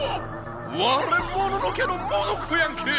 われモノノ家のモノコやんけえ！